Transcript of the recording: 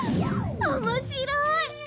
面白い！